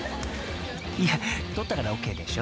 ［いや捕ったからＯＫでしょ］